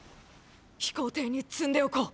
飛行艇に積んでおこう。